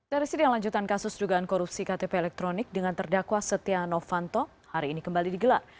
dari sidang lanjutan kasus dugaan korupsi ktp elektronik dengan terdakwa setia novanto hari ini kembali digelar